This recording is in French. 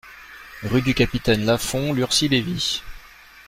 Rue du Capitaine Lafond, Lurcy-Lévis